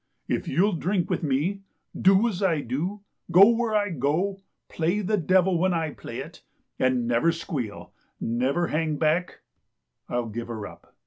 " If you'll drink with me, do as I do, go where I go, play the devil when I play it, and never squeal, never hang back, I'll give her up.